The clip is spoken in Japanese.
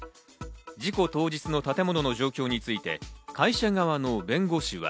事故当日の建物の状況について会社側の弁護士は。